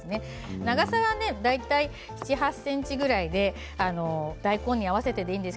長さは７、８ｃｍぐらいで大根に合わせていいんです。